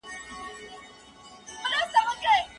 د قافلې خلک له څاه څخه اوبه راکاږي.